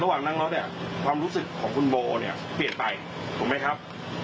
ระหว่างนั่งรถเนี่ยความรู้สึกของคุณโบเนี่ยเปลี่ยนไปถูกไหมครับ